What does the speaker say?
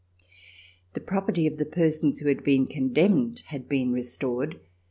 The property of the persons who had been con demned had been restored.